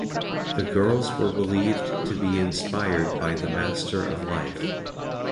The girls were believed to be inspired by the Master of Life.